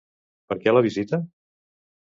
Per què la visita?